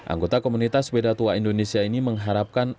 anggota komunitas sepeda tua indonesia ini mengharapkan